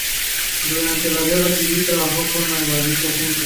Durante la Guerra Civil trabajo como bailarín junto con su hermano Quique en Valencia.